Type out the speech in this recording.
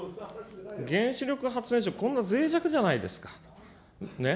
原子力発電所、こんなぜい弱じゃないですか。